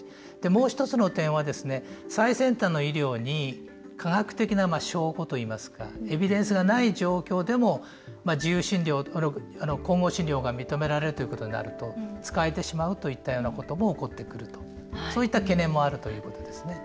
もう一つの点は最先端の医療に科学的な証拠といいますかエビデンスがない状況でも自由診療、混合診療が認められるということになると使えてしまうといったようなことも起こってくるとそういった懸念もあるということですね。